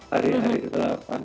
hari hari ke delapan